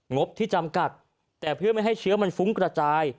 งบที่จำกัดแต่เพื่อไม่ให้เชื้อมันฟุ้งกระจาย